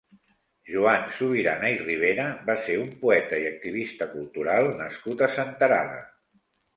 Joan Subirana i Ribera va ser un poeta i activista cultural nascut a Senterada.